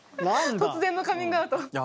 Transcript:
突然のカミングアウト。